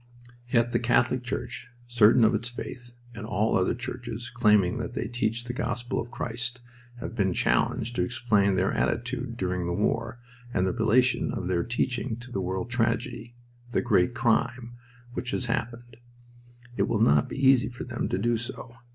Yet the Catholic Church, certain of its faith, and all other churches claiming that they teach the gospel of Christ, have been challenged to explain their attitude during the war and the relation of their teaching to the world tragedy, the Great Crime, which has happened. It will not be easy for them to do so.